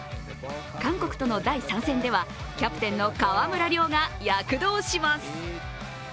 韓国との第３戦では、キャプテンの川村怜が躍動します。